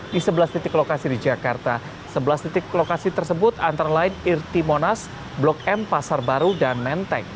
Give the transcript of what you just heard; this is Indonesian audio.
di sebelas titik lokasi di jakarta sebelas titik lokasi tersebut antara lain irti monas blok m pasar baru dan menteng